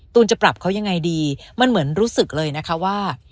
จะปรับเขายังไงดีมันเหมือนรู้สึกเลยนะคะว่า